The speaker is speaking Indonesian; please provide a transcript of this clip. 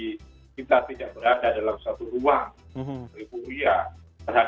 kita tidak berada